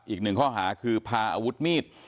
อีกหนึ่งข้อหาคือพาอาวุธมีด